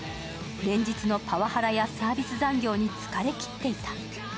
連日のパワハラやサービス残業に疲れ切っていた。